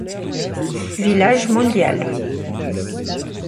Village Mondial.